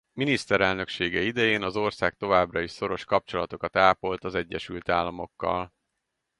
Miniszterelnöksége idején az ország továbbra is szoros kapcsolatokat ápolt az Egyesült Államokkal.